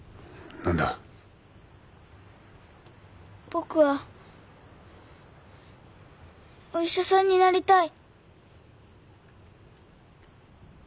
僕はお医者さんになりたい。